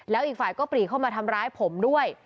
แล้วอีกฝ่ายก็ปรีเข้ามาทำร้ายผมด้วย